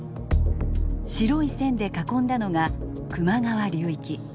白い線で囲んだのが球磨川流域。